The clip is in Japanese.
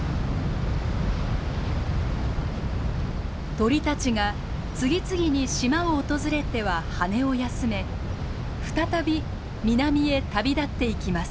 鳥たちが次々に島を訪れては羽を休め再び南へ旅立っていきます。